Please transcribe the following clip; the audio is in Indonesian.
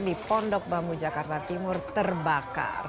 di pondok bambu jakarta timur terbakar